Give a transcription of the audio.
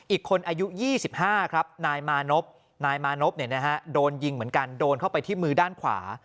อีกคนอายุ๒๕ครับนายมานพนายมานพโดนยิงเหมือนกันโดนเข้าไปที่มือด้านขวา